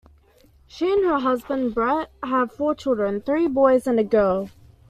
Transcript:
She and her husband, Brett, have four children, three boys and a girl.